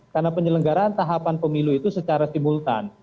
karena penyelenggaraan tahapan pemilu itu secara simultan